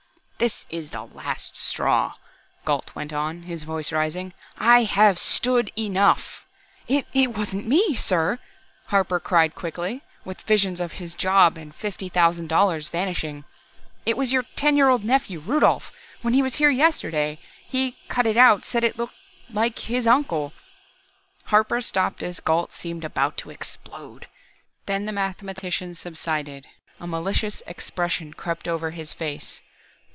"This is the last straw," Gault went on, his voice rising. "I have stood enough " "It it wasn't me, sir," Harper cried quickly, with visions of his job and $50,000 vanishing. "It was your ten year old nephew, Rudolph, when he was here yesterday. He cut it out, said it looked like like his uncle " Harper stopped as Gault seemed about to explode. Then the mathematician subsided, a malicious expression crept over his face.